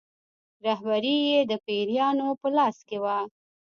رهبري یې د پیرانو په لاس کې وه.